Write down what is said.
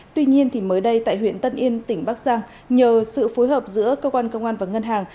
tuy nhiên mới đây tại huyện tân yên tỉnh bắc giang nhờ sự phối hợp giữa cơ quan công an và ngân hàng